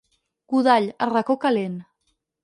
Godall, el racó calent.